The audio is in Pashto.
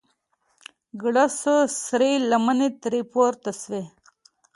ګړز سو سرې لمبې ترې پورته سوې.